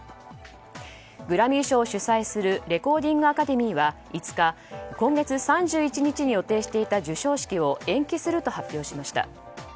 グラミー賞を主催するレコーディング・アカデミーは５日今月３１日に予定していた授賞式を延期すると発表しました。